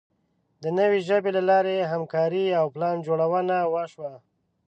د نوې ژبې له لارې همکاري او پلانجوړونه وشوه.